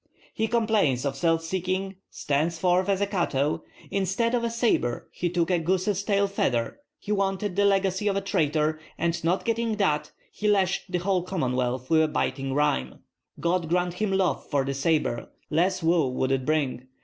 "He complains of self seeking, stands forth as a Cato; Instead of a sabre he took a goose's tail feather He wanted the legacy of a traitor, and not getting that He lashed the whole Commonwealth with a biting rhyme. "God grant him love for the sabre! less woe would it bring.